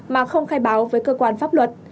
mà không khai báo với cơ quan pháp luật